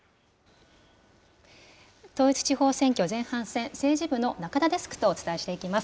統一地方選挙前半戦、政治部の中田デスクとお伝えしていきます。